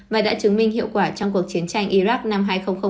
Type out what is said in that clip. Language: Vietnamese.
và đã chứng minh hiệu quả trong cuộc chiến tranh iraq năm hai nghìn ba